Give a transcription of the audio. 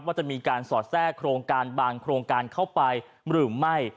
ว่าจะมีการสอดแทรกโครงการบางโครงการเข้าไปหรือไม่